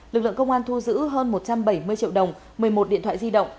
lực lượng công an thu giữ hơn một trăm bảy mươi triệu đồng một mươi một điện thoại di động